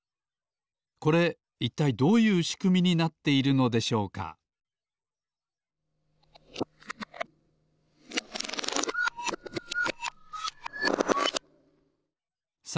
これいったいどういうしくみになっているのでしょうかさ